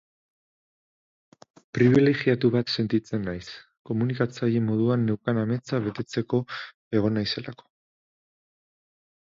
Pribilegiatu bat sentitzen naiz, komunikatzaile moduan neukan ametsa betetzen egon naizelako.